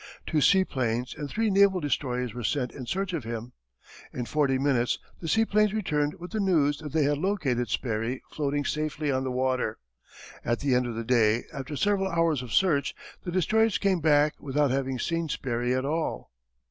Two seaplanes and three naval destroyers were sent in search of him. In forty minutes the seaplanes returned with the news that they had located Sperry floating safely on the water. At the end of the day, after several hours of search, the destroyers came back without having seen Sperry at all.